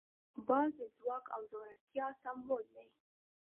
باز د ځواک او زړورتیا سمبول دی